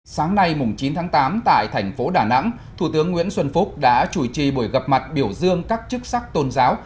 sáng nay chín tháng tám tại thành phố đà nẵng thủ tướng nguyễn xuân phúc đã chủ trì buổi gặp mặt biểu dương các chức sắc tôn giáo